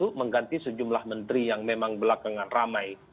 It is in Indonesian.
untuk mengganti sejumlah menteri yang memang belakangan ramai